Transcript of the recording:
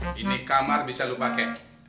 nah ini kamar bisa lu pake